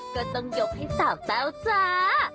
ก็ต้องยกให้สาวเปล่าจ้า